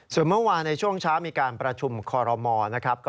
ส่วนเมื่อวาในช่วงเช้ามีการประชุมคอลโรมอล